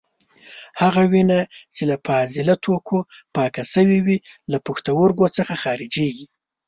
هغه وینه چې له فاضله توکو پاکه شوې وي له پښتورګو څخه خارجېږي.